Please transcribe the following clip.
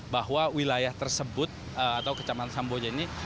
bahwa wilayah tersebut atau kecamatan samboja ini